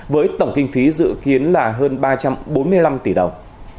với tổng kinh phí dự kiến là hơn ba trăm bốn mươi năm tỷ đồng